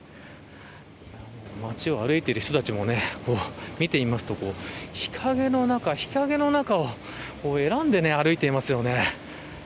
街を歩いている人たちも見ていますと日陰の中、日陰の中を選んで歩いていますよね。